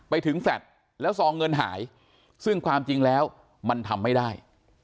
ไปถึงแฟลตแล้วซองเงินหายซึ่งความจริงแล้วมันทำไม่ได้